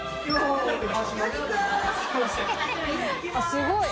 すごい！